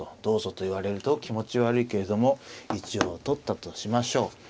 どうぞと言われると気持ち悪いけれども一応取ったとしましょう。